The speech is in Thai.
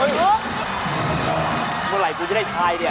เมื่อไหร่กูจะได้ทายเนี่ย